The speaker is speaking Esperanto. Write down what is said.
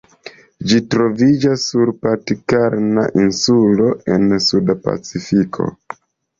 Ĝi troviĝas sur Pitkarna insulo en suda Pacifiko.